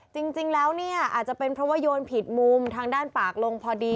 จริงแล้วเนี่ยอาจจะเป็นเพราะว่าโยนผิดมุมทางด้านปากลงพอดี